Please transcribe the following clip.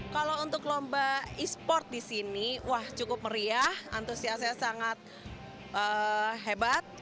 kalau untuk lomba e sport di sini wah cukup meriah antusiasnya sangat hebat